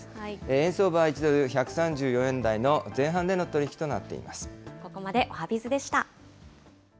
円相場は１ドル１３４円台の前半での取り引きとなっています。